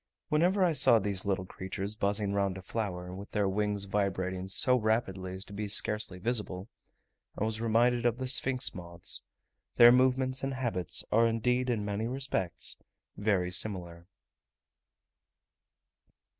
Whenever I saw these little creatures buzzing round a flower, with their wings vibrating so rapidly as to be scarcely visible, I was reminded of the sphinx moths: their movements and habits are indeed in many respects very similar.